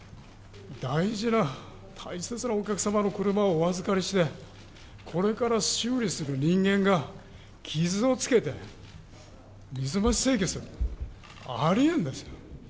大事な、大切なお客様の車をお預かりして、これから修理する人間が傷をつけて水増し請求する、ありえないですよ。